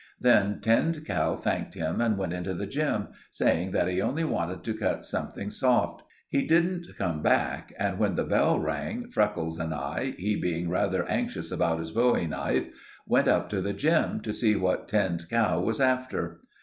Then Tinned Cow thanked him and went into the gym., saying that he only wanted to cut something soft. He didn't come back, and when the bell rang, Freckles and I—he being rather anxious about his bowie knife—went up to the gym. to see what Tinned Cow was after.